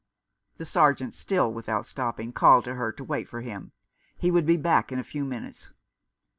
The Sergeant, still without stopping, called to her to wait for him. He would be back in a few minutes.